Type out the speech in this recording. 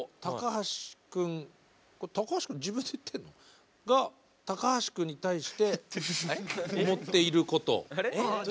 これ高橋くん自分で言ってんの？が高橋くんに対して思っていること。